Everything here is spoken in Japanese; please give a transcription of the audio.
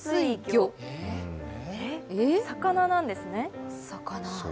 魚なんですね。